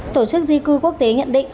tổ chức di cư quốc tế nhận định